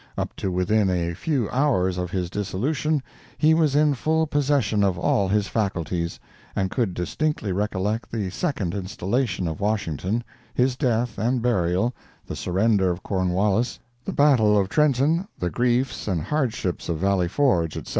Up to within a few hours of his dissolution he was in full possession of all his faculties, and could distinctly recollect the second installation of Washington, his death and burial, the surrender of Cornwallis, the battle of Trenton, the griefs and hardships of Valley Forge, etc.